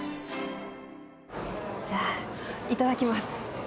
じゃあいただきます。